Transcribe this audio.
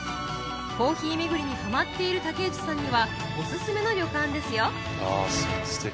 コーヒー巡りにハマっている竹内さんにはオススメの旅館ですよ